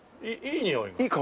いいにおい。